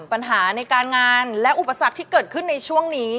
ปัญหาในการงานและอุปสรรคที่เกิดขึ้นในช่วงนี้